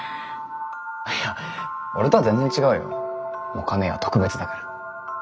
いや俺とは全然違うよ。もか姉は特別だから。